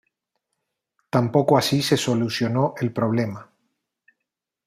Tampoco así se solucionó el problema.